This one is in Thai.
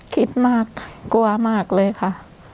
คิดมากกลัวมากเลยค่ะ